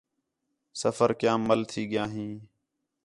سفر کیام مَل تھی ڳیا ہیں